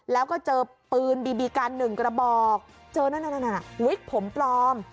แล้วก็เจอปืนบีบีกัน๑กระบอกเจอนั่นวิกผมปลอม